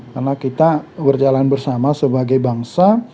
karena kita berjalan bersama sebagai bangsa